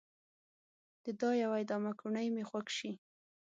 د دا يوه ادامه کوڼۍ مې خوږ شي